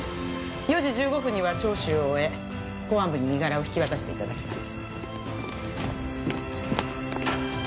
４時１５分には聴取を終え公安部に身柄を引き渡して頂きます。